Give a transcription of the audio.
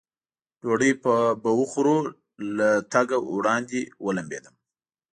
ډوډۍ به وخورو، له تګه وړاندې ومبېدم.